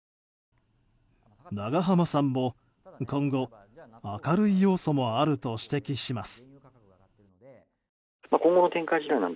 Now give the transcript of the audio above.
永濱さんも今後、明るい要素もあると指摘します。